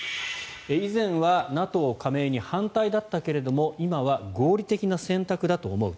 以前はＮＡＴＯ加盟に反対だったけれども今は合理的な選択だと思う